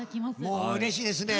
うれしいですね。